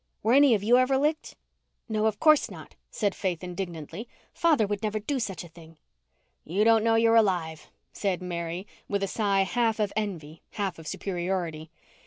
Were any of you ever licked?" "No, of course not," said Faith indignantly. "Father would never do such a thing." "You don't know you're alive," said Mary with a sigh half of envy, half of superiority.